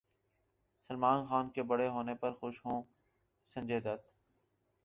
سلمان خان کے بری ہونے پر خوش ہوں سنجے دت